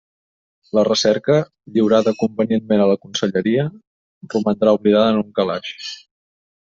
La recerca, lliurada convenientment a la Conselleria, romandrà oblidada en un calaix.